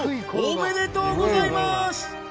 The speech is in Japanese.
おめでとうございます！